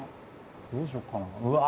どうしよっかなあ。